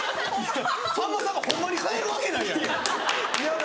さんまさんがホンマに帰るわけないやん。